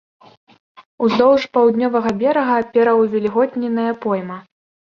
Уздоўж паўднёвага берага пераўвільготненая пойма.